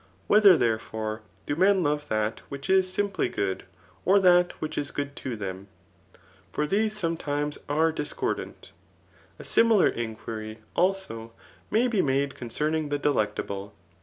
Whether, therefore, do men love that which is [simply] good, or that which is good to them ? For these sometimes are discordant. A similar inquiry, also, may be made con cerning the delectable.